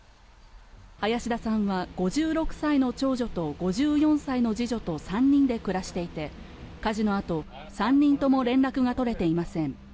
林田さんは５６歳の長女と５４歳の次女と３人で暮らしていて火事のあと３人とも連絡が取れていません。